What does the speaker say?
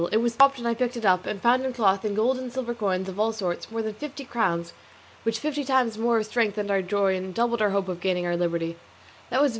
It was dropped, and I picked it up, and found in the cloth, in gold and silver coins of all sorts, more than fifty crowns, which fifty times more strengthened our joy and doubled our hope of gaining our liberty.